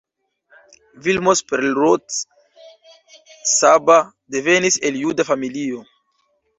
Vilmos Perlrott-Csaba devenis el juda familio.